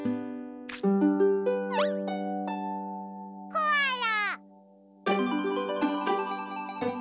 コアラ。